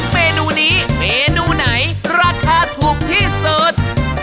เมนูนี้เมนูไหนราคาถูกที่สุด